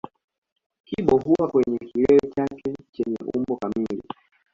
Kibo huwa kwenye kilele chake chenye umbo kamili